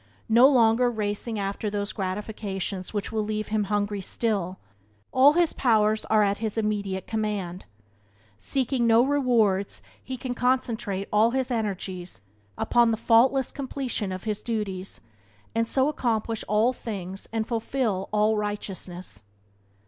No longer racing after those gratifications which leave him hungry still, all his powers are at his immediate command. Seeking no rewards he can concentrate all his energies upon the faultless completion of his duties, and so accomplish all things and fulfil all righteousness.